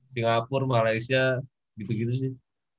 singapura malaysia gitu gitu sih